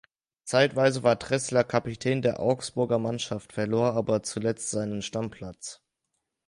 Zeitweise war Dreßler Kapitän der Augsburger Mannschaft, verlor aber zuletzt seinen Stammplatz.